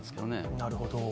なるほど。